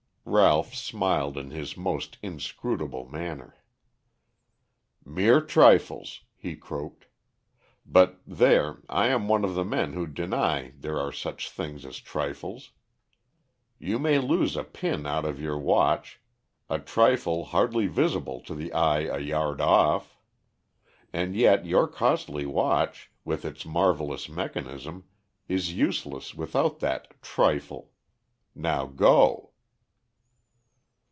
Ralph smiled in his most inscrutable manner. "Mere trifles," he croaked. "But, there, I am one of the men who deny there are such things as trifles. You may lose a pin out of your watch, a trifle hardly visible to the eye a yard off. And yet your costly watch, with its marvelous mechanism, is useless without that 'trifle.' Now go."